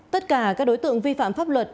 tất cả các đối tượng vi phạm pháp luật